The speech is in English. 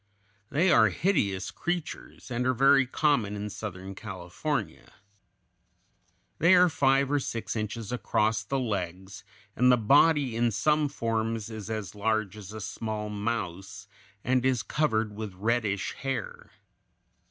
They are hideous creatures, and are very common in southern California. They are five or six inches across the legs, and the body in some forms is as large as a small mouse, and is covered with reddish hair.